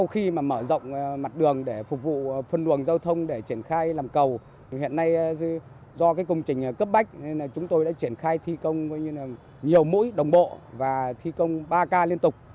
hiện nay do công trình cấp bách nên chúng tôi đã triển khai thi công nhiều mũi đồng bộ và thi công ba ca liên tục